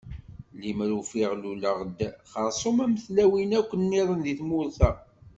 Limer ufiɣ luleɣ-d xersum am tlawin akk niḍen deg tmurt-a.